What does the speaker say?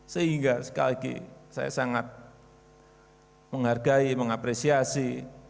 sehingga sekali lagi saya sangat menghargai mengapresiasi